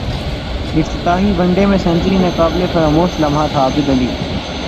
افتتاحی one day میں century ناقابل فراموش لمحہ تھاعابدعلی